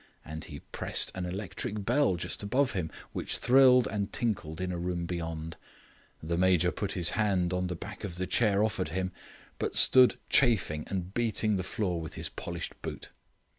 And he pressed an electric bell just above him, which thrilled and tinkled in a room beyond. The Major put his hand on the back of the chair offered him, but stood chafing and beating the floor with his polished boot.